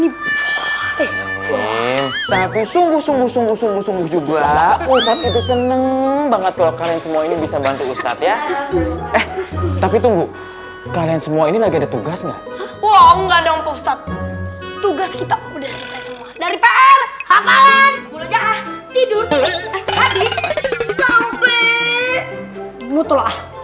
itulah alhamdulillah eh tapi bener ya nggak ada yang bongkoknya gitu character of reforman berguna semuanya ini bisa membantu ustadz ya tapi tunggu kalian semua ini lagi ada tugas nggak others atau unter ab customization doud hadal doud had given and